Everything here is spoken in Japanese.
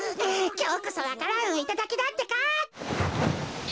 きょうこそわか蘭をいただきだってか。